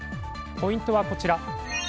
ポイントはこちら。